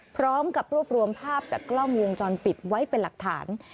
พร้อมกับรวบรวมภาพจากกล้องวงจรปิดไว้เป็นหลักฐาน